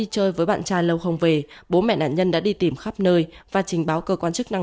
chơi với bạn trai lâu không về bố mẹ nạn nhân đã đi tìm khắp nơi và trình báo cơ quan chức năng